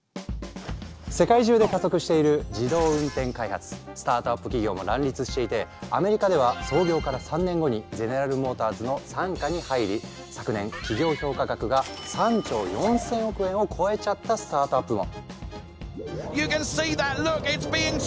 世界中で加速しているスタートアップ企業も乱立していてアメリカでは創業から３年後にゼネラルモーターズの傘下に入り昨年企業評価額が３兆４，０００億円を超えちゃったスタートアップも！